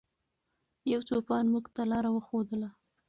یو چوپان موږ ته لاره وښودله.